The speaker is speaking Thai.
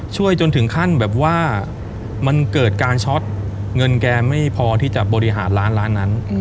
จนถึงขั้นแบบว่ามันเกิดการช็อตเงินแกไม่พอที่จะบริหารร้านร้านนั้น